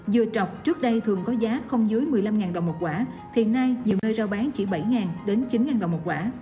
dừa trọc trước đây thường có giá không dưới một mươi năm đồng một quả thì nay nhiều nơi rao bán chỉ bảy đến chín đồng một quả